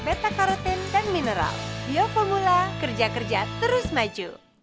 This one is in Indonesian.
eriko selara bekasi